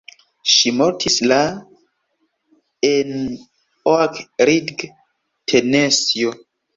Ŝi mortis la en Oak Ridge, Tenesio.